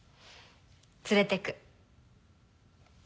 連れてく。